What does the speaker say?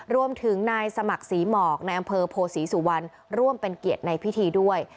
รวมถึงนายสมัครศรีหมอกในอำเภอโพศรีสุวรรณร่วมเป็นเกียรติในพิธีด้วย